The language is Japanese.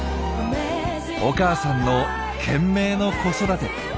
お母さんの懸命の子育て。